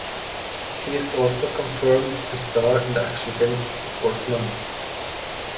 He is also confirmed to star in the action film "Swordsman".